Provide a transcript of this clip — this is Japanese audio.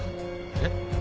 えっ？